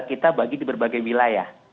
kita bagi di berbagai wilayah